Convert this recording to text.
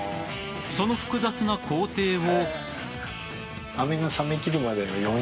その複雑な工程を。